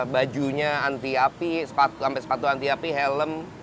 bajunya anti api sepatu sampai sepatu anti api helm